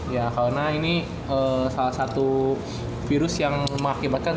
ya karena ini salah satu virus yang mengakibatkan